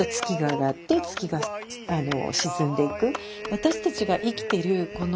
私たちが生きてるこの